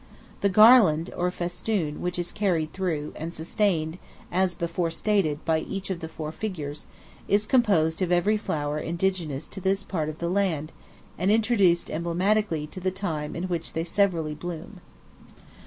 The garland, or festoon, which is carried through, and sustained, as before stated, by each of the four figures, is composed of every flower indigenous to this part of the land, and introduced emblematically to the time in which they severally bloom.